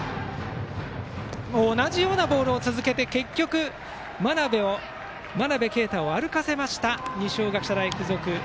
同じようなボールを続けて結局、真鍋慧を歩かせました二松学舎大付属。